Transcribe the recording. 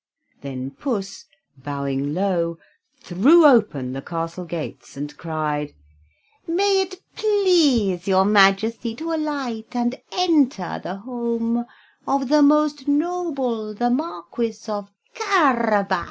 Then Puss, bowing low, threw open the castle gates, and cried: "May it please your Majesty to alight and enter the home of the most noble the Marquis of Carabas."